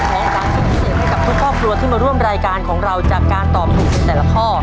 ให้กับทุกครอบครัวที่มาร่วมรายการของเราจากการต่อถุงทั้งแต่ละข้อ